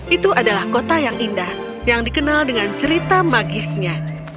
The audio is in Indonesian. itu adalah kota yang indah yang dikenal dengan cerita magisnya